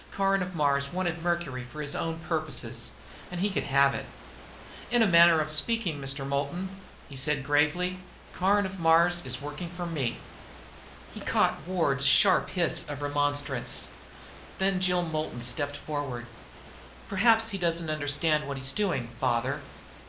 Caron of Mars wanted Mercury for his own purposes and he could have it. "In a manner of speaking, Mr. Moulton," he said gravely, "Caron of Mars is working for me." He caught Ward's sharp hiss of remonstrance. Then Jill Moulton stepped forward. "Perhaps he doesn't understand what he's doing, Father."